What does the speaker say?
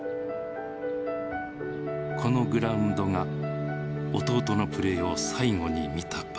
このグラウンドが弟のプレーを最後に見た場所だ。